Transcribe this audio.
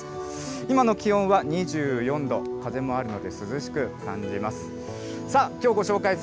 今の気温は２４度、風もあるので、涼しく感じます。